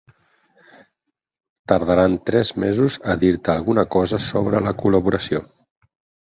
Tardaran tres mesos a dir-te alguna cosa sobre la col·laboració.